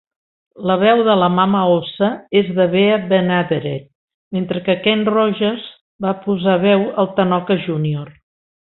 La veu de la mama Ossa és de Bea Benaderet, mentre que Kent Rogers va posar veu al tanoca Junior.